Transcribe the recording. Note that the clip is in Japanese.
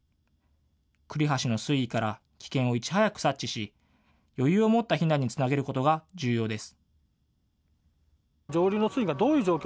栗橋の水位から危険をいち早く察知し、余裕を持った避難につなげることが重要です。